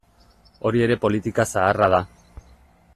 Hori ere politika zaharra da.